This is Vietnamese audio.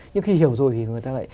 nhưng khi hiểu rồi thì người ta lại